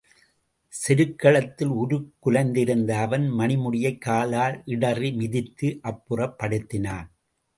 செருக்களத்தில் உருக்குலைந்திருந்த அவன் மணிமுடியைக் காலால் இடறி மிதித்து அப்புறப்படுத்தினான்.